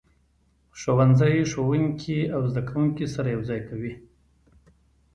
ښوونځی ښوونکي او زده کوونکي سره یو ځای کوي.